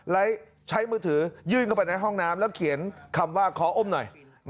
แล้วใช้มือถือยื่นเข้าไปในห้องน้ำแล้วเขียนคำว่าขออมหน่อย